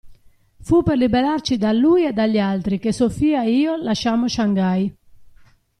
Fu per liberarci da lui e dagli altri che Sofia e io lasciammo Shangai.